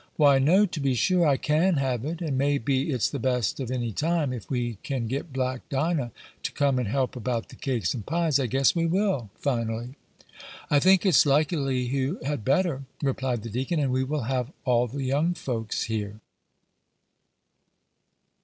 "Why, no; to be sure, I can have it, and may be it's the best of any time, if we can get Black Dinah to come and help about the cakes and pies. I guess we will, finally." "I think it's likely you had better," replied the deacon, "and we will have all the young folks here."